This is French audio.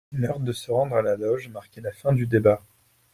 L'heure de se rendre à la Loge marquait la fin du débat.